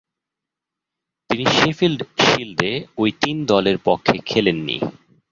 তিনি শেফিল্ড শিল্ডে ঐ তিন দলের পক্ষে খেলেননি।